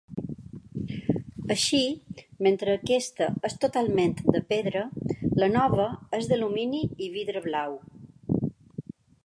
Així mentre aquesta és totalment de pedra, la nova és d'alumini i vidre blau.